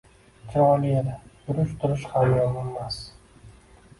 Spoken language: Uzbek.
chiroyli edi, yurish-turish ham yomonmas.